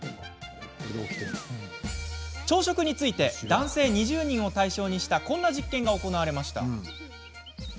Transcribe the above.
朝食について男性２０人を対象にしたこんな実験が行われました。